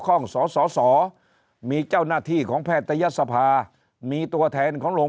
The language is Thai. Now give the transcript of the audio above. ข้องสสมีเจ้าหน้าที่ของแพทยศภามีตัวแทนของโรง